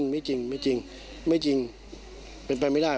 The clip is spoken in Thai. ไม่จริงเป็นไปไม่ได้